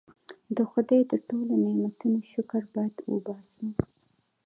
د خدای د ټولو نعمتونو شکر باید وباسو.